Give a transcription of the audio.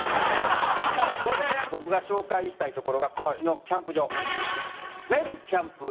僕が紹介したい所がこっちのキャンプ場。